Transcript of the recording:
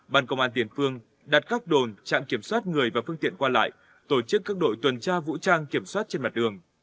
bàn công an tiền phương đặt các đồn trạm kiểm soát người và phương tiện qua lại tổ chức các đội tuần tra vũ trang kiểm soát trên mặt đường